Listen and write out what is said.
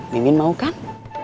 mimin mau kang